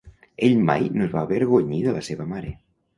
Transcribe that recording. Ell mai no es va avergonyir de la seva mare.